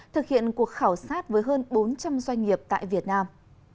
thực hiện cuộc khảo sát với hơn bốn trăm linh doanh nghiệp tại việt nam